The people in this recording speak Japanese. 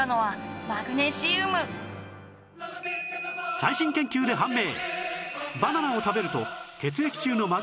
最新研究で判明！